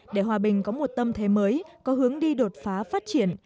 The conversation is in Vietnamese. để hòa bình có một tâm thế mới có hướng đi đột phá phát triển